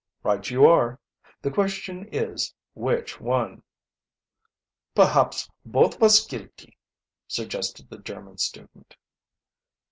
"Right you are. The question is, which one?" "Perhaps both vos guilty," suggested the German student.